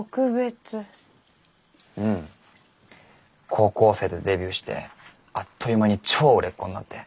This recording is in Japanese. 高校生でデビューしてあっという間に超売れっ子になって。